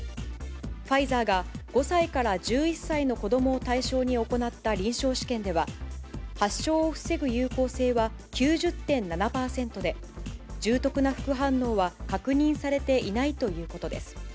ファイザーが５歳から１１歳の子どもを対象に行った臨床試験では、発症を防ぐ有効性は９０．７％で、重篤な副反応は確認されていないということです。